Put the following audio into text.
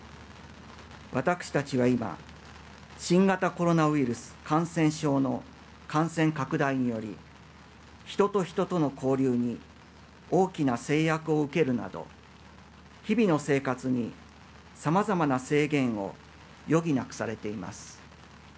私たちは今新型コロナウイルス感染症の感染拡大により人と人との交流に大きな制約を受けるなど日々の生活に、さまざまな制限を余儀なくされています。